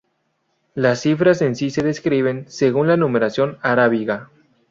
Las cifras en sí se escriben según la numeración arábiga.